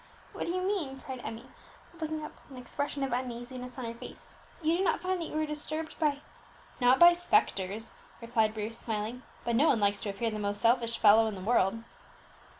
what do you mean?" cried Emmie, looking up with an expression of uneasiness on her face; "you do not find that you are disturbed by " "Not by spectres," replied Bruce, smiling; "but no one likes to appear to be the most selfish fellow in the world."